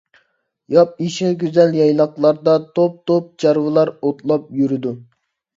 ياپيېشىل، گۈزەل يايلاقلاردا توپ-توپ چارۋىلار ئوتلاپ يۈرىدۇ.